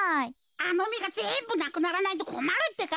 あのみがぜんぶなくならないとこまるってか。